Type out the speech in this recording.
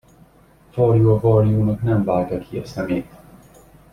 Varjú a varjúnak nem vágja ki a szemét.